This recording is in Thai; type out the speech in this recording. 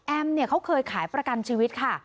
เขาเคยขายประกันชีวิตค่ะ